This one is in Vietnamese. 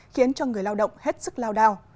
khiến cho người lao động hết sức lao đào